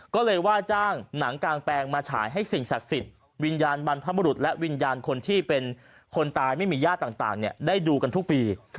ก็เลยว่าจ้างหนังกางแปลงมาฉายให้สิ่งศักดิ์สิทธิ์วิญญาณบรรพบุรุษและวิญญาณคนที่เป็นคนตายไม่มีญาติต่างได้ดูกันทุกปี